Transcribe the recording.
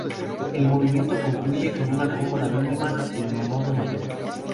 El movimiento concluye con una coda mínima en modo mayor.